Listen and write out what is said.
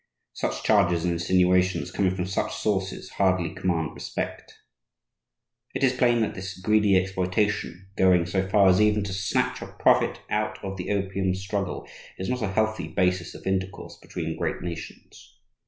Such charges and insinuations, coming from such sources, hardly command respect. It is plain that this greedy exploitation, going so far as even to snatch a profit out of the opium struggle, is not a healthy basis of intercourse between great nations.